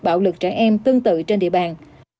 bạo lực trẻ em tương tự trên địa bàn